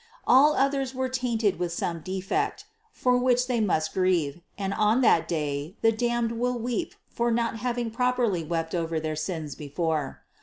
All others were tainted 606 CITY OF GOD with some defect, for which they must grieve, and on that day the damned will weep for not having properly wept over their sins before.